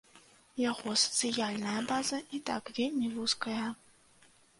Яго сацыяльная база і так вельмі вузкая.